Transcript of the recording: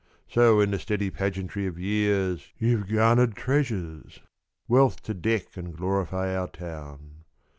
So in the steady pageantry of years You 've garnered treasures Wealth to deck and glorify our town.